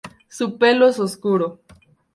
Su pelo es oscuro.